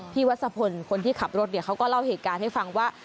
วัศพลคนที่ขับรถเขาก็เล่าเหตุการณ์ให้ฟังว่า